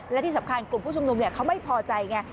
และที่สำคัญกลุ่มผู้ชุมนุมเขาไม่พอใจไง